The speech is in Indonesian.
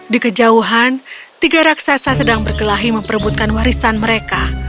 di kejauhan tiga raksasa sedang berkelahi memperebutkan warisan mereka